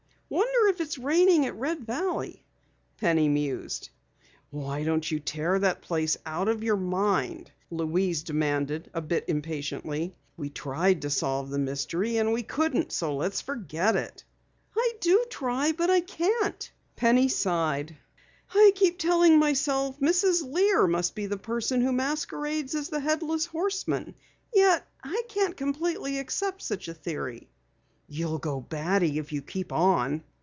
"Wonder if it's raining at Red Valley?" Penny mused. "Why don't you tear that place out of your mind?" Louise demanded a bit impatiently. "We tried to solve the mystery and we couldn't, so let's forget it." "I do try, but I can't," Penny sighed. "I keep telling myself Mrs. Lear must be the person who masquerades as the Headless Horseman. Yet I can't completely accept such a theory." "You'll go batty if you keep on!"